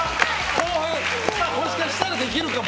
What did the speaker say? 後半もしかしたらできるかも？